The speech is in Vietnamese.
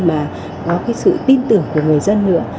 mà có sự tin tưởng của người dân nữa